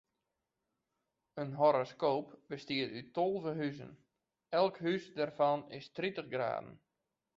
In horoskoop bestiet út tolve huzen, elk hûs dêrfan is tritich graden.